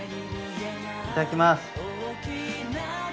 いただきます。